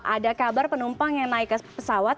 ada kabar penumpang yang naik ke pesawat